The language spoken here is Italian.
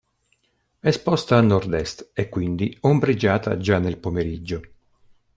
Esposta a Nord-est e quindi ombreggiata già nel pomeriggio.